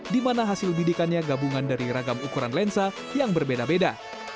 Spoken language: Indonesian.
di mana hasil bidikannya gabungan dari ragam ukuran lensa yang berbeda beda